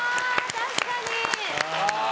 確かに。